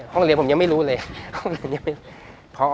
ห้องเรียนผมยังไม่รู้เลยห้องเรียนยังไม่รู้